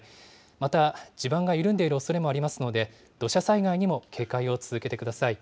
また、地盤が緩んでいるおそれもありますので、土砂災害にも警戒を続けてください。